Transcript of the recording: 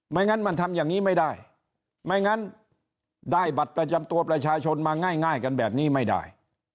งั้นมันทำอย่างนี้ไม่ได้ไม่งั้นได้บัตรประจำตัวประชาชนมาง่ายกันแบบนี้ไม่ได้